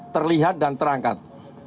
terlihat dan terangkat